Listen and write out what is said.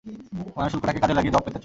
মানুষ উল্কাটাকে কাজে লাগিয়ে জব পেতে চায়।